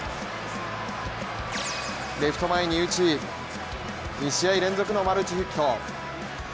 レフト前に打ち２試合連続のマルチヒット。